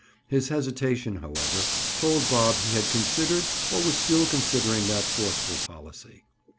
His hesitation, however, told Bob he had considered or was still considering that forcible policy.